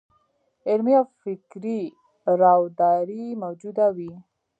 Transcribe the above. علمي او فکري راوداري موجوده وي.